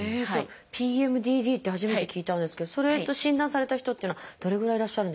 ＰＭＤＤって初めて聞いたんですけどそれと診断された人っていうのはどれぐらいいらっしゃるんですか？